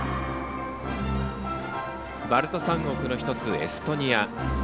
バルト３国の一つ、エストニア。